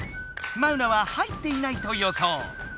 マウナは入っていないと予想。